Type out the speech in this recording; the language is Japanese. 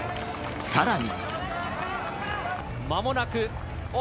さらに。